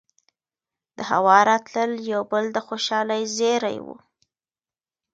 دهوا راتلل يو بل د خوشالۍ زېرے وو